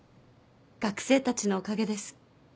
学生たちのおかげです。